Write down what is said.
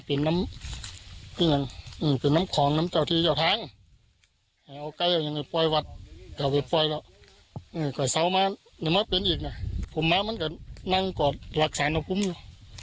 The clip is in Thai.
ผมมามันก็นั่งกอดหลักสารของผมอยู่